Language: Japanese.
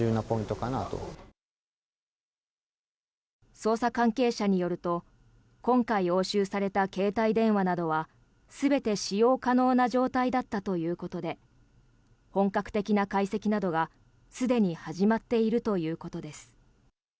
捜査関係者によると今回、押収された携帯電話などは全て使用可能な状態だったということで本格的な解析などが、すでに始まっているということです。